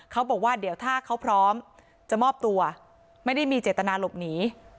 เขาบอกว่าเดี๋ยวถ้าเขาพร้อมจะมอบตัวไม่ได้มีเจตนาหลบหนี